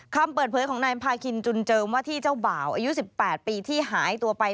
คำเปิดเผยของนายพาคินจุนเจิมว่าที่เจ้าบ่าวอายุ๑๘ปีที่หายตัวไป